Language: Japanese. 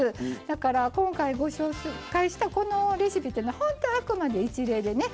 だから今回ご紹介したこのレシピっていうのはほんとあくまで一例でね